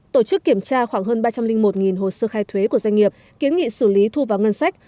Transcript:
tổ chức kiểm tra khoảng hơn ba trăm linh một hồ sơ khai thuế của doanh nghiệp kiến nghị xử lý thu vào ngân sách